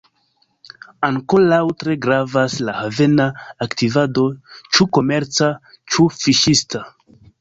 Ankoraŭ tre gravas la havena aktivado, ĉu komerca, ĉu fiŝista.